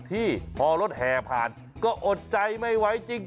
ที่พอรถแห่ผ่านก็อดใจไม่ไหวจริง